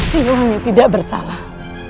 sriwangi tidak bersalah